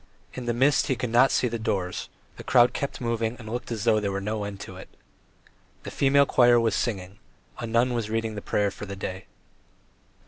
In the mist he could not see the doors; the crowd kept moving and looked as though there were no end to it. The female choir was singing, a nun was reading the prayers for the day.